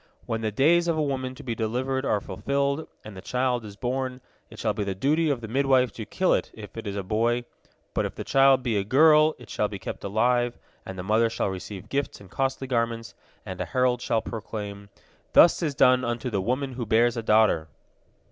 When the days of a woman to be delivered are fulfilled, and the child is born, it shall be the duty of the midwife to kill it, if it be a boy. But if the child be a girl, it shall be kept alive, and the mother shall receive gifts and costly garments, and a herald shall proclaim, 'Thus is done unto the woman who bears a daughter!'"